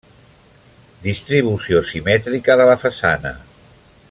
Distribució simètrica de la façana.